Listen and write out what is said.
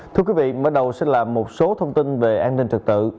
thưa quý vị mở đầu sẽ là một số thông tin về an ninh trật tự